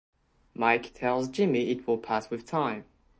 Mike tells Jimmy it will pass with time.